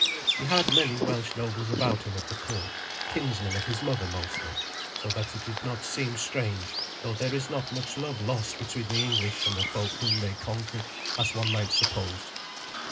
He had many Welsh nobles about him at the court, kinsmen of his mother mostly, so that it did not seem strange, though there is not much love lost between the English and the folk whom they conquered, as one might suppose.